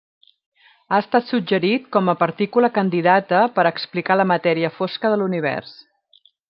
Ha estat suggerit com a partícula candidata per a explicar la matèria fosca de l'univers.